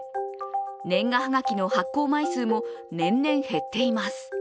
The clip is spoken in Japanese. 年賀はがきの発行枚数も年々減っています。